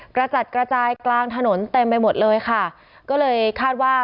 กระจัดกระจายกลางถนนเต็มไปหมดเลยค่ะก็เลยคาดว่า